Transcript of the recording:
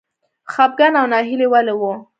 خپګان او ناهیلي ولې وه.